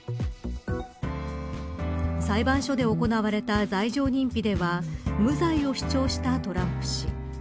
裁判所で行われた罪状認否では無罪を主張したトランプ氏。